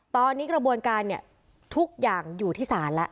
ตอนนี้กระบวนการเนี่ยทุกอย่างอยู่ที่ศาลแล้ว